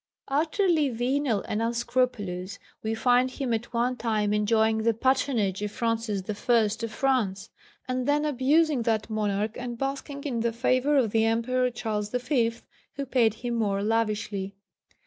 Utterly venal and unscrupulous, we find him at one time enjoying the patronage of Francis I. of France, and then abusing that monarch and basking in the favour of the Emperor Charles V., who paid him more lavishly.